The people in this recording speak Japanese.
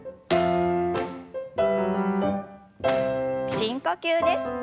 深呼吸です。